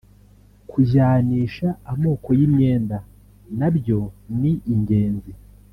Kujyanisha amoko y’ imyenda na byo ni ingenzi